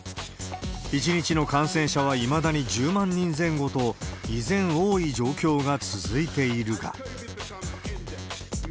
１日の感染者はいまだに１０万人前後と、依然多い状況が続いているが。